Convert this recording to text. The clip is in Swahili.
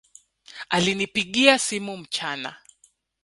Alinipigia simu mchana